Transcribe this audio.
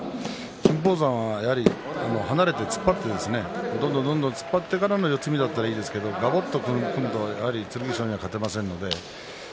金峰山は離れて突っ張ってどんどんどんどん突っ張ってからの四つ身だったらいいんですががばっと組むと剣翔には勝てません。